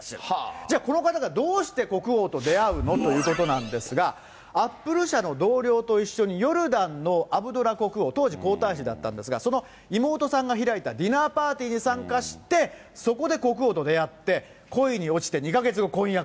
じゃあ、この方がどうして国王と出会うのということなんですが、アップル社の同僚と一緒に、ヨルダンのアブドラ国王、当時皇太子だったんですが、その妹さんが開いたディナーパーティーに参加して、そこで国王と出会って、恋に落ちて、２か月後、婚約。